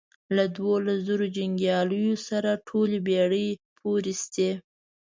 له دوولس زرو جنګیالیو سره ټولې بېړۍ پورېستې.